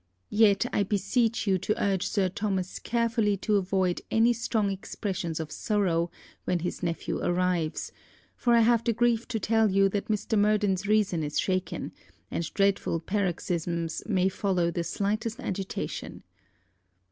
Yet, I beseech you to urge Sir Thomas carefully to avoid any strong expressions of sorrow when his nephew arrives, for I have the grief to tell you that Mr. Murden's reason is shaken: and dreadful paroxysms may follow the slightest agitation.